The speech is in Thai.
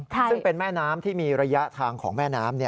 ซึ่งเป็นแม่น้ำที่มีระยะทางของแม่น้ำ